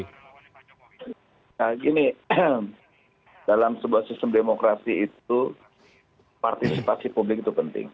nah gini dalam sebuah sistem demokrasi itu partisipasi publik itu penting